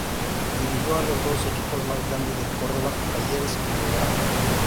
Dirigió a los dos equipos más grandes de Córdoba: Talleres y Belgrano.